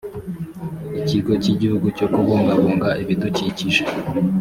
ikigo cy igihugu cyo kubungabunga ibidukikije